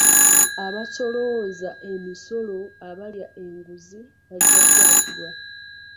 Abasolooza emisolo abalya enguzi bajja kukwatibwa.